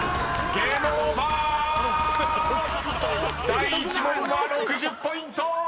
［第１問は６０ポイント！］